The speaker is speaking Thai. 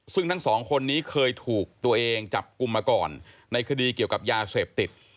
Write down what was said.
ซึ่งทั้งสองคนนี้เคยถูกตัวเองจับกลุ่มมาก่อนในคดีเกี่ยวกับยาเสพติด